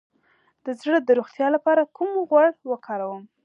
د زړه د روغتیا لپاره کوم غوړ وکاروم؟